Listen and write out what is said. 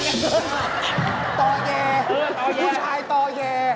ต่อแย่ผู้ชายต่อแย่